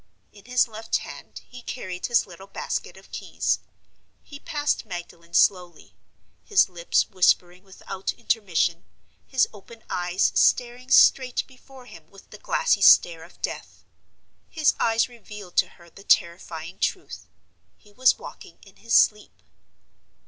In his left hand he carried his little basket of keys. He passed Magdalen slowly, his lips whispering without intermission, his open eyes staring straight before him with the glassy stare of death. His eyes revealed to her the terrifying truth. He was walking in his sleep.